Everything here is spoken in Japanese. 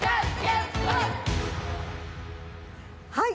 はい！